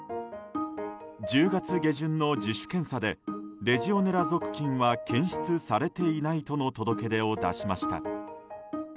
１０月下旬の自主検査でレジオネラ属菌は検出されていないとの届け出を出しました。